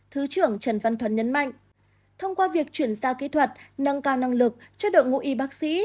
thứ trưởng trần văn thuấn nhấn mạnh thông qua việc chuyển giao kỹ thuật nâng cao năng lực cho đội ngũ y bác sĩ